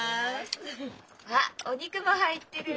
あっお肉も入ってる。